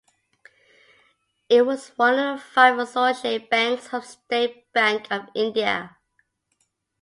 It was one of the five associate banks of State Bank of India.